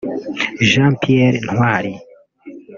Jean Pierre Ntwali